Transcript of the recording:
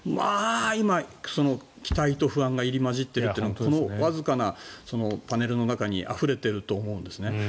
今、期待と不安が入り混じっているのがわずかなパネルの中にあふれていると思うんですね。